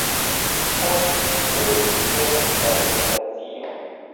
Post tio, li perdis la reputacion.